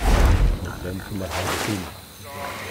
Nella nettmahal din.